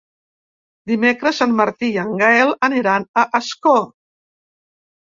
Dimecres en Martí i en Gaël aniran a Ascó.